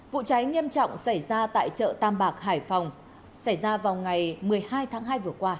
vụ cháy nghiêm trọng xảy ra tại chợ tam bạc hải phòng xảy ra vào ngày một mươi hai tháng hai vừa qua